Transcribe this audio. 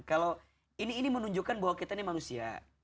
kalau ini menunjukkan bahwa kita ini manusia